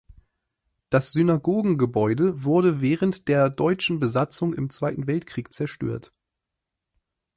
Das Synagogengebäude wurde während der deutschen Besatzung im Zweiten Weltkrieg zerstört.